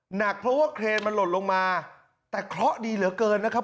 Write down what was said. หนักเพราะว่าเครนมันหล่นลงมาแต่เคราะห์ดีเหลือเกินนะครับ